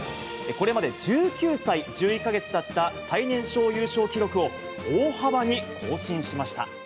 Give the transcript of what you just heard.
これまで１９歳１１か月だった最年少優勝記録を大幅に更新しました。